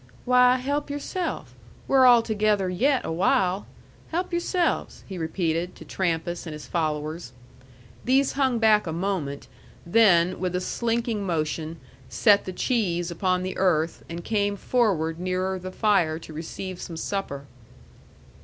"Why, help yourself! We're all together yet awhile. Help yourselves," he repeated, to Trampas and his followers. These hung back a moment, then, with a slinking motion, set the cheese upon the earth and came forward nearer the fire to receive some supper.